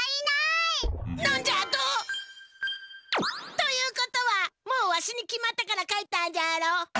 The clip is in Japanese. なんじゃと！？ということはもうわしに決まったから帰ったんじゃろう。